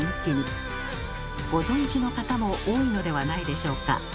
ご存じの方も多いのではないでしょうか？